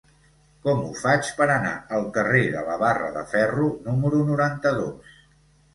Com ho faig per anar al carrer de la Barra de Ferro número noranta-dos?